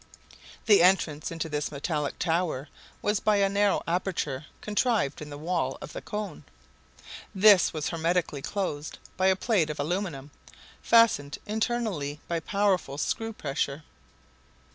The entrance into this metallic tower was by a narrow aperture contrived in the wall of the cone. This was hermetically closed by a plate of aluminum, fastened internally by powerful screw pressure.